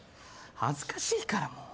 恥ずかしいからもう。